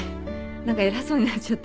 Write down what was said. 何か偉そうになっちゃったね。